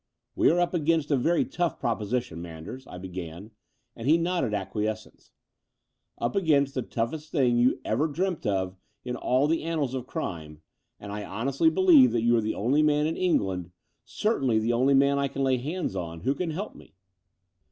"We are up against a very tough proposition, Manders," I began, and he nodded acquiescence — "up against the toughest thing you ever dreamt of in all the annals of crime : and I honestly believe that you are the only man in England — certainly the only man I can lay hands on — ^who can help me.